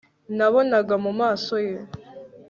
nabonaga mu maso ye